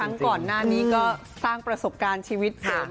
รักทั้งก่อนหน้านี้ก็สร้างประสบการณ์ชีวิตเสริม